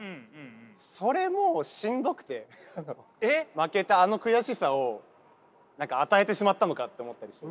負けたあの悔しさを与えてしまったのかって思ったりして。